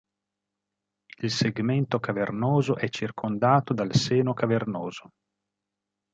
Il segmento cavernoso è circondato dal seno cavernoso.